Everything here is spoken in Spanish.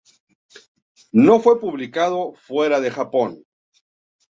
No fue publicado fuera de Japón.